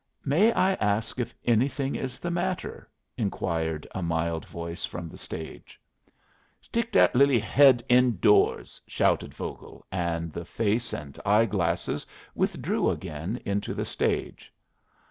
"May I ask if anything is the matter?" inquired a mild voice from the stage. "Stick that lily head in doors," shouted Vogel; and the face and eye glasses withdrew again into the stage.